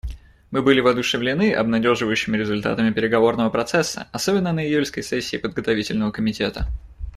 Мы были воодушевлены обнадеживающими результатами переговорного процесса, особенно на июльской сессии Подготовительного комитета.